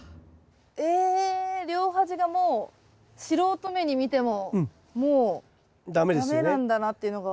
え両端がもう素人目に見てももう駄目なんだなっていうのが。